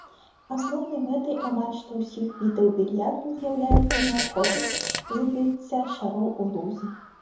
Асноўнай мэтай амаль што ўсіх відаў більярда з'яўляецца неабходнасць забіцця шароў у лузы.